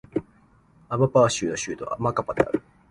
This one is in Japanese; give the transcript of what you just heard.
アマパー州の州都はマカパである